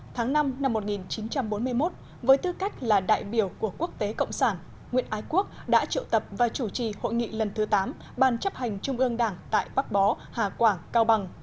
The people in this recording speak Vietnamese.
tháng năm năm một nghìn chín trăm bốn mươi một với tư cách là đại biểu của quốc tế cộng sản nguyễn ái quốc đã triệu tập và chủ trì hội nghị lần thứ tám ban chấp hành trung ương đảng tại bắc bó hà quảng cao bằng